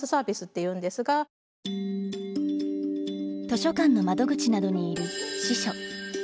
図書館の窓口などにいる司書。